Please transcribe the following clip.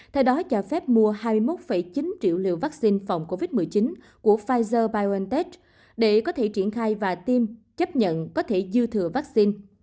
theo đó cho phép mua hai mươi một chín triệu liều vaccine phòng covid một mươi chín của pfizer biontech để có thể triển khai và tiêm chấp nhận có thể dư thừa vaccine